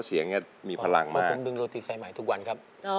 สี่และเจ้า